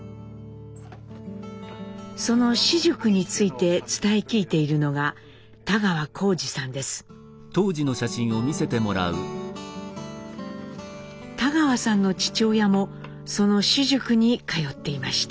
その私塾について伝え聞いているのが田川さんの父親もその私塾に通っていました。